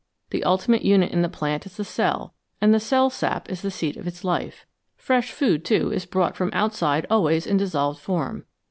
The ultimate unit in the plant is the cell, and the cell sap is the seat of its life ; fresh food, too, is brought from outside always in dis solved form.